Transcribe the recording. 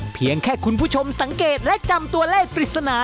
เพียงแค่คุณผู้ชมสังเกตและจำตัวเลขปริศนา